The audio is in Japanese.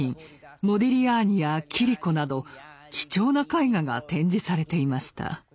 モディリアーニやキリコなど貴重な絵画が展示されていました。